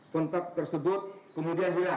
kontak tersebut kemudian hilang